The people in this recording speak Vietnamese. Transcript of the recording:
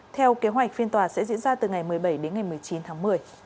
theo kế hoạch phiên tòa sẽ diễn ra từ ngày một mươi bảy đến ngày một mươi chín tháng một mươi